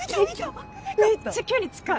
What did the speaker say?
めっちゃ距離近い！